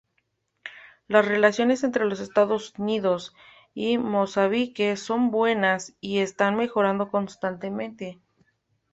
Las relaciones entre los Estados Unidos y Mozambique son buenas y están mejorando constantemente.